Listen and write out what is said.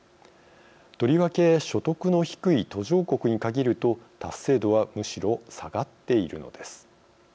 とりわけ、所得の低い途上国に限ると、達成度はむしろ下がっているのです。